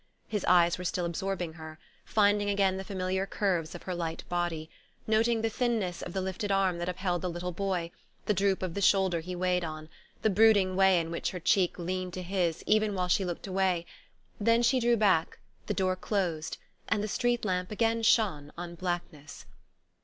His eyes were still absorbing her, finding again the familiar curves of her light body, noting the thinness of the lifted arm that upheld the little boy, the droop of the shoulder he weighed on, the brooding way in which her cheek leaned to his even while she looked away; then she drew back, the door closed, and the street lamp again shone on blankness.